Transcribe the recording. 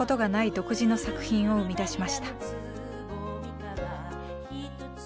独自の作品を生み出しました。